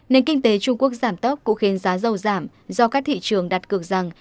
nền kinh tế trung quốc giảm tốc cũng khiến giá dầu giảm do các thị trường đặt cược rằng